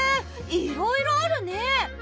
いろいろあるね。